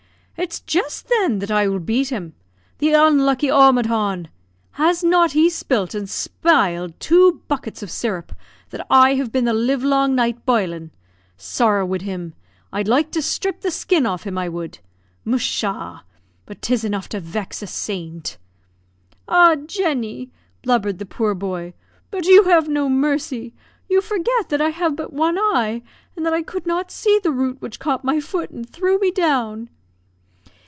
"It's jist, thin, I that will bate him the unlucky omadhawn! Has not he spilt and spiled two buckets of syrup, that I have been the live long night bilin'. Sorra wid him; I'd like to strip the skin off him, I would! Musha! but 'tis enough to vex a saint." "Ah, Jenny!" blubbered the poor boy, "but you have no mercy. You forget that I have but one eye, and that I could not see the root which caught my foot and threw me down."